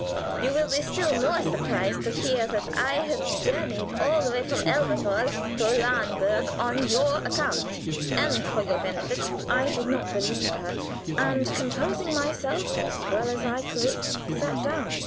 "You will be still more surprised to hear that I have journeyed all the way from Elberthal to Lahnburg on your account, and for your benefit." I did not believe her, and composing myself as well as I could, sat down.